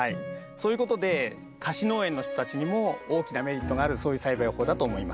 そういうことで貸し農園の人たちにも大きなメリットがあるそういう栽培法だと思います。